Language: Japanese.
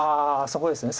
そこですね。